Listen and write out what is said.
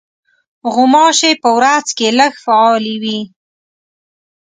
غوماشې په ورځ کې لږ فعالې وي.